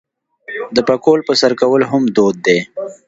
د پکول په سر کول هم دود دی.